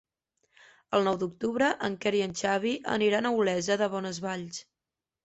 El nou d'octubre en Quer i en Xavi aniran a Olesa de Bonesvalls.